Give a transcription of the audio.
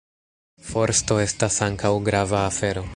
Forsto estas ankaŭ grava afero.